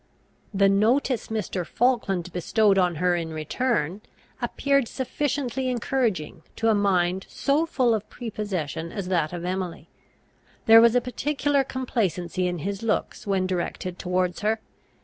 The notice Mr. Falkland bestowed on her in return, appeared sufficiently encouraging to a mind so full of prepossession as that of Emily. There was a particular complacency in his looks when directed towards her.